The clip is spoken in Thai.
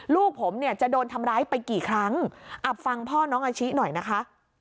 ลูกผมเนี่ยจะโดนทำร้ายไปกี่ครั้งอ่ะฟังพ่อน้องอาชิหน่อยนะคะ